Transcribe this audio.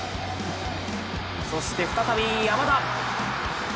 そして再び山田！